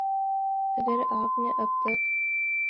اگر آپ نے اب تک